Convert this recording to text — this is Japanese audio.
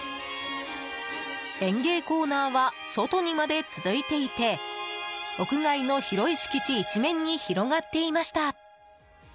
園芸コーナーは外にまで続いていて屋外の広い敷地一面に広がっていました。